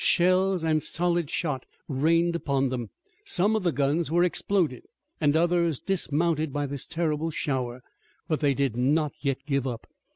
Shells and solid shot rained upon them. Some of the guns were exploded and others dismounted by this terrible shower, but they did not yet give up.